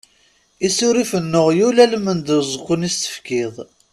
Isurifen n uɣyul almend uẓekkun i s-tefkiḍ.